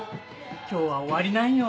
今日は終わりなんよ。